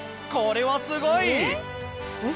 これはすごい！